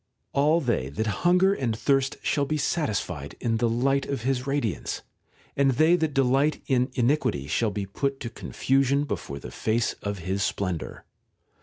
All they that hunger and thirst shall be satisfied in the light of his radiance, and they that delight in iniquity shall be put to confusion before the face of his splendour.